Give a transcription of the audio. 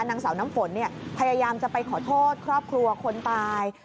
นางสาวน้ำฝนพยายามจะไปขอโทษครอบครัวคนตาย